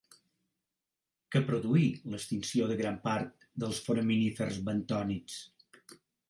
Què produí l'extinció de gran part dels foraminífers bentònics?